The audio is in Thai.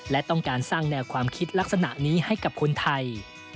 และต้องการสร้างแนวความคิดลักษณะนี้ให้กับคนไทย